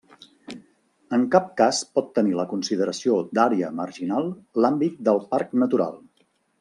En cap cas pot tenir la consideració d'àrea marginal l'àmbit del parc natural.